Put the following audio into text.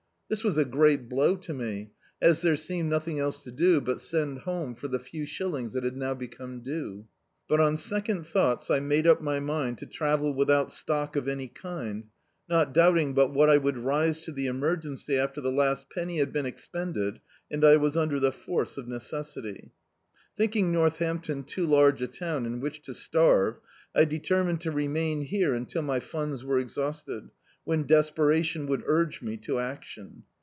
This was a great blow to me, as there seemed nothing else to do but send home for the few shillings that had now become due. But cm second thoughts I made up my mind to travel without stock of any kind, not doubting but what I would rise to the emergency after the last penny had been expended, and I was under the force of necessity, lliinking Northampton too large a town in which to starve, I determined to remain here until my funds were exhausted, when despera ticn would urge me to acticm.